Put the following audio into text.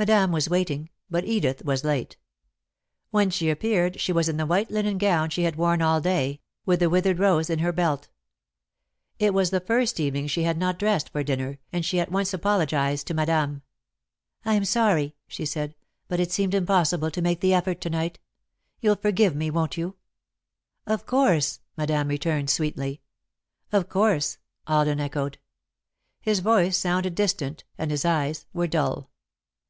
Madame was waiting, but Edith was late. When she appeared, she was in the white linen gown she had worn all day, with the withered rose in her belt. It was the first evening she had not dressed for dinner and she at once apologised to Madame. "I'm sorry," she said, "but it seemed impossible to make the effort to night. You'll forgive me, won't you?" "Of course," Madame returned sweetly. "Of course," Alden echoed. His voice sounded distant and his eyes were dull.